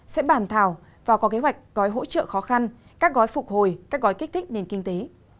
sẽ bàn thảo và có kế hoạch gói hỗ trợ khó khăn các gói phục hồi các gói kích thích nền kinh tế